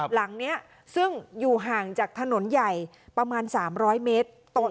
หลังนี้ซึ่งอยู่ห่างจากถนนใหญ่ประมาณ๓๐๐เมตร